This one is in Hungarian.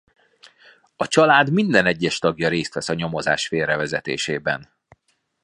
A család minden egyes tagja részt vesz a nyomozás félrevezetésében.